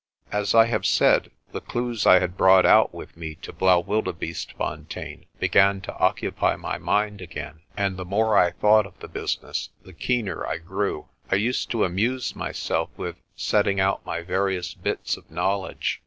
As I have said, the clues I had brought out with me to Blaauwildebeestefontein began to occupy my mind again; and the more I thought of the business the keener I grew. I used to amuse myself with setting out my various bits of knowledge.